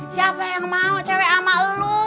siapa yang mau cewek sama lo